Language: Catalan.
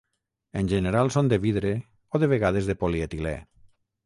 En general són de vidre, o de vegades de polietilè.